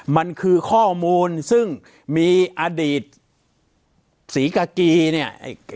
มันคือข้อมูลซึ่งมีอดีตศรีกากีเนี่ย